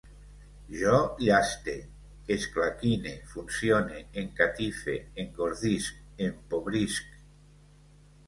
Jo llaste, esclaquine, funcione, encatife, engordisc, empobrisc